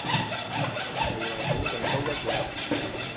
地位肯定都一樣